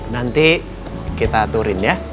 nanti kita aturin ya